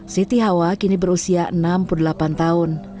siti hawa kini berusia enam puluh delapan tahun